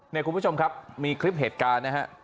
คุณผู้ชมครับมีคลิปเหตุการณ์นะฮะ